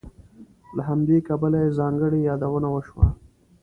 له همدې کبله یې ځانګړې یادونه وشوه.